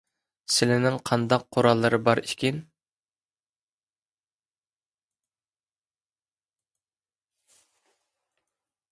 سىلىنىڭ قانداق قوراللىرى بارئىكىن؟